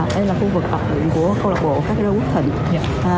đây là khu vực tập trung của câu lạc bộ cascader quốc thịnh